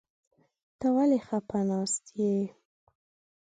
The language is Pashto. ته ولې خپه ناست يې ؟